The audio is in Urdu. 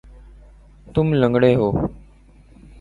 تم لنگڑے ہو